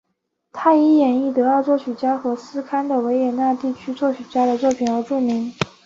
他以演绎德奥作曲家和斯堪的纳维亚地区作曲家的作品而著名。